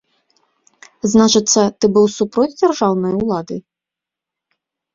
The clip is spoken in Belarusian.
Значыцца, ты быў супроць дзяржаўнай улады?